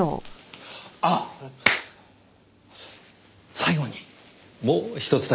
最後にもうひとつだけ。